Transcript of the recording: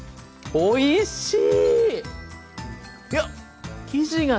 おいしい。